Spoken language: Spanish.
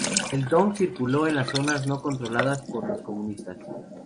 El dong circuló en las zonas no controladas por los comunistas.